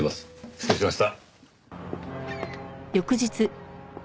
失礼しました。